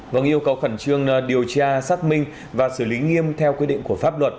vâng yêu cầu khẩn trương điều tra xác minh và xử lý nghiêm theo quy định của pháp luật